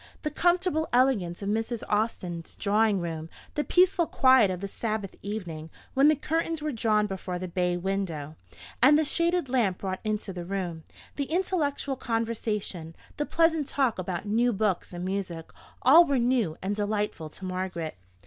The comfortable elegance of Mrs. Austin's drawing room, the peaceful quiet of the Sabbath evening, when the curtains were drawn before the bay window, and the shaded lamp brought into the room; the intellectual conversation; the pleasant talk about new books and music: all were new and delightful to Margaret.